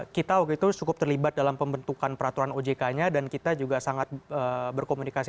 kita waktu itu cukup terlibat dalam pembentukan peraturan ojk nya dan kita juga sangat berkomunikasi